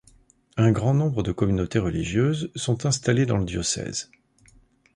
Un grand nombre de communautés religieuses sont installées dans le diocèse.